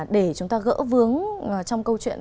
để chúng ta gỡ vướng trong câu chuyện